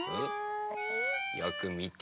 よくみて。